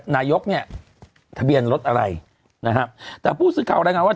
นายกเนี่ยทะเบียนรถอะไรนะฮะแต่ผู้สื่อข่าวรายงานว่า